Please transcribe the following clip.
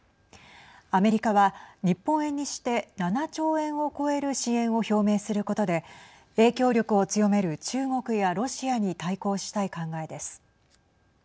アメリカは日本円にして７兆円を超える支援を表明することで影響力を強める中国やロシアに対抗したい考えです。